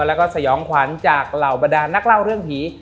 แล้วก็สยองขวัญจากเหล่าบรรดานนักเล่าเรื่องผี